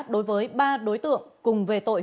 đối với ba đối tượng cùng về tội